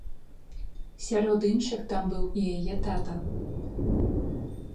Сярод іншых там быў і яе тата.